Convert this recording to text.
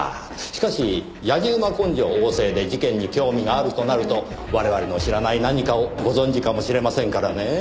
しかしやじ馬根性旺盛で事件に興味があるとなると我々の知らない何かをご存じかもしれませんからねぇ。